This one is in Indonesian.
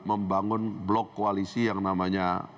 membangun blok koalisi yang namanya